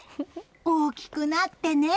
大きくなってね！